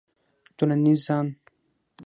ټولنیز ځان